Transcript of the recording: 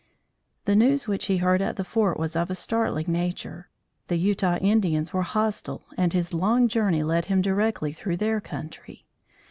The news which he heard at the fort was of a startling nature. The Utah Indians were hostile and his long journey led him directly through their country.